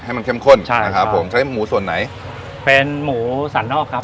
ให้มันเข้มข้นใช่นะครับผมใช้หมูส่วนไหนเป็นหมูสารนอกครับ